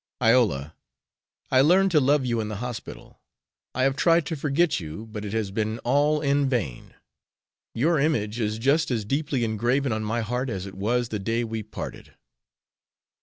"Iola, I learned to love you in the hospital. I have tried to forget you, but it has been all in vain. Your image is just as deeply engraven on my heart as it was the day we parted."